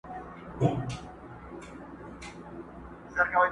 سوځوي مي د خپل ستوني درد بې اوره،